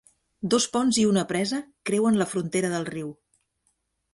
Dos ponts i una presa creuen la frontera del riu.